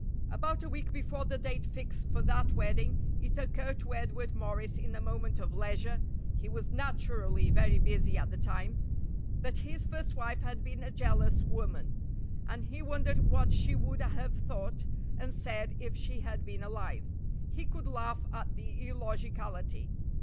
About a week before the date fixed for that wedding it occurred to Edward Morris in a moment of leisure he was naturally very busy at the time that his first wife had been a jealous woman, and he wondered what she would have thought and said if she had been alive. He could laugh at the illogicality.